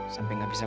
sampai gak bisa